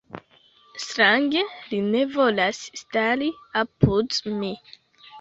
Strange li ne volas stari apud mi.